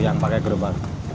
yang pakai gerobak